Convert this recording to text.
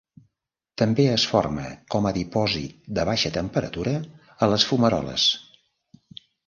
També es forma com a dipòsit de baixa temperatura a les fumaroles.